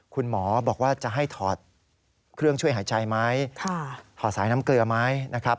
คุณหมอบอกว่าจะให้ถอดเครื่องช่วยหายใจไหมถอดสายน้ำเกลือไหมนะครับ